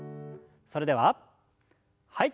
それでははい。